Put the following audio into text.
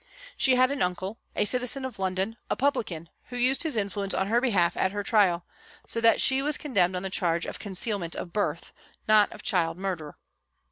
She had an uncle, a citizen of London, a publican, who used his influence on her behalf at her trial so that she was con demned on the charge of " concealment of birth," not of child murder.